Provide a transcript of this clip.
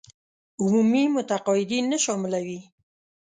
عمومي متقاعدين نه شاملوي.